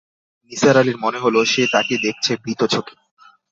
নিসার আলির মনে হল, সে তাঁকে দেখছে ভীত চোখে।